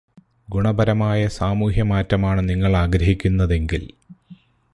ഗുണപരമായ സാമൂഹ്യമാറ്റമാണു നിങ്ങള് ആഗ്രഹിക്കുന്നതെങ്കില്.